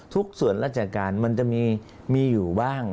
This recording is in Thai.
ส่วนราชการมันจะมีอยู่บ้าง